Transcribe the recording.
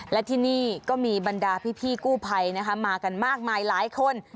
และที่นี่ก็มีบรรดาพี่กู้ไภมากมายคน